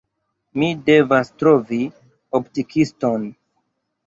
Mi devis trovi optikiston.